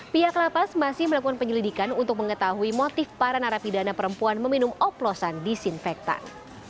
pihak lapas masih melakukan penyelidikan untuk mengetahui motif para narapidana perempuan meminum oplosan disinfektan